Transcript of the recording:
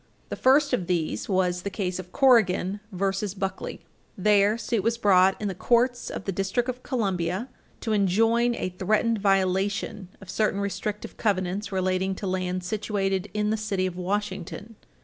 The first of these was the case of Corrigan v. Buckley, 271 U. S. 323 (1926). There, suit was brought in the courts of the District of Columbia to enjoin a threatened violation of certain restrictive covenants relating to lands situated in the city of Washington.